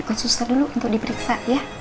ikut suster dulu untuk diperiksa ya